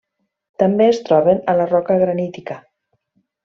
També es troben a la roca granítica.